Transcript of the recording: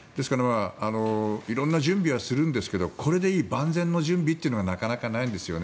色んな準備はするんですがこれでいい万全の準備というのがなかなかないんですよね。